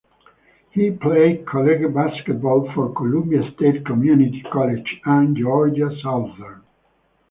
He played college basketball for Columbia State Community College and Georgia Southern.